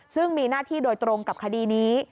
ซึ่งมีหน้าที่โดยตรงกับคดีนี้